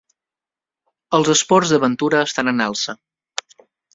Els esports d'aventura estan en alça.